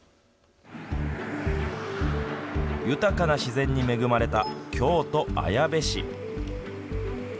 豊かな自然に恵まれた京都、綾部市。